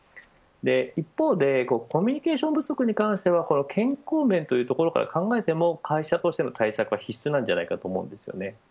一方でコミュニケーション不足に関しては健康面というところから考えても会社としての対策は必須なんじゃないかと思います。